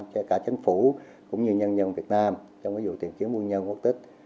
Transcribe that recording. cho cả chính phủ cũng như nhân dân việt nam trong cái vụ tiền kiếm quân nhân bất tích